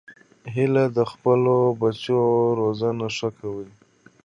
هیلۍ د خپلو بچو روزنه ښه کوي